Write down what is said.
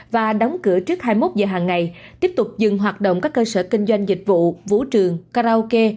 và đóng cửa trước hai mươi một giờ hàng ngày tiếp tục dừng hoạt động các cơ sở kinh doanh dịch vụ vũ trường karaoke